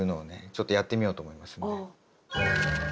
ちょっとやってみようと思いますんで。